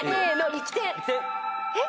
えっ！